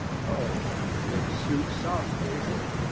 Oh, it suits some people.